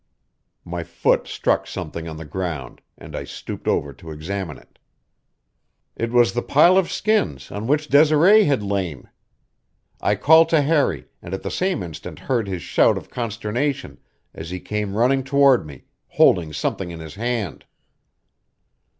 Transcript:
My foot struck something on the ground, and I stooped over to examine it. It was the pile of skins on which Desiree had lain! I called to Harry, and at the same instant heard his shout of consternation as he came running toward me, holding something in his hand.